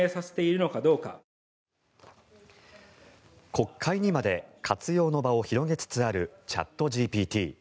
国会にまで活用の場を広げつつあるチャットＧＰＴ。